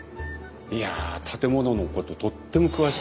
いや建物のこととっても詳しくて。